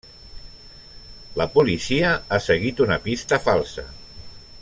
La policia ha seguit una pista falsa.